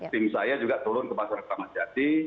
tim saya juga turun ke pasar ramah jati